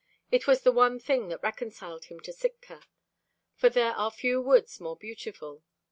It was the one thing that reconciled him to Sitka, for there are few woods more beautiful.